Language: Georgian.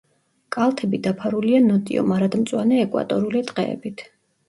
კალთები დაფარულია ნოტიო მარადმწვანე ეკვატორული ტყეებით.